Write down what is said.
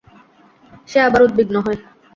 সে আবার উদ্বিগ্ন হয়।